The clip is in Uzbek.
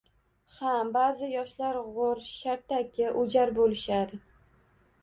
Ha, ba`zi yoshlar g`o`r, shartaki, o`jar bo`lishadi